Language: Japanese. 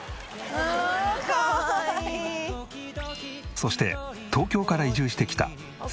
そして東京から移住してきた。